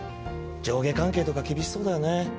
上下関係とか厳しそうだよね。